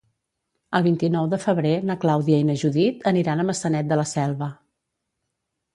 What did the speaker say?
El vint-i-nou de febrer na Clàudia i na Judit aniran a Maçanet de la Selva.